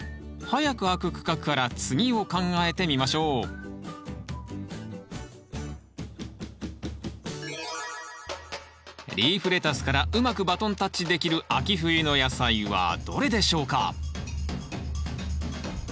早く空く区画から次を考えてみましょうリーフレタスからうまくバトンタッチできる秋冬の野菜はどれでしょうか？